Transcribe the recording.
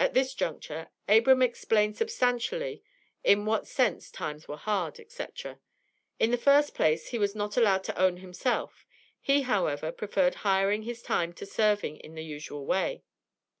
At this juncture Abram explained substantially in what sense times were hard, &c. In the first place he was not allowed to own himself; he, however, preferred hiring his time to serving in the usual way.